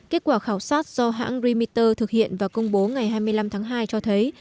kết quả khảo sát do hãng remiter thực hiện và công bố ngày hai mươi năm tháng hai cho thấy